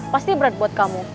pasti berat buat kamu